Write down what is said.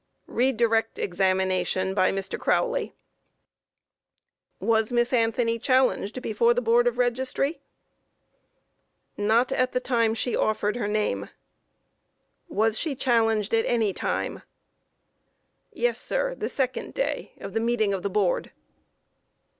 Re direct Examination by MR. CROWLEY: Q. Was Miss Anthony challenged before the Board of Registry? A. Not at the time she offered her name. Q. Was she challenged at any time? A. Yes, sir; the second day of the meeting of the Board.